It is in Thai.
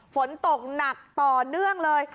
ฝนตกหนักต่อเนื่องเลย